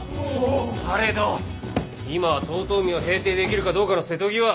されど今は遠江を平定できるかどうかの瀬戸際。